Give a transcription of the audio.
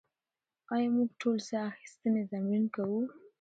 ایا موږ ټول ساه اخیستنې تمرین کوو؟